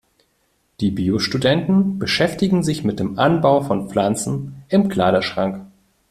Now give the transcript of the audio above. Die Bio-Studenten beschäftigen sich mit dem Anbau von Pflanzen im Kleiderschrank.